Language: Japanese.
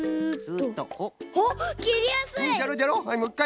あっきりやすい！